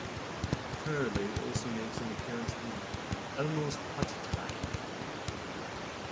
Curly also makes an appearance in "Elmo's Potty Time".